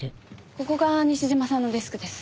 ここが西島さんのデスクです。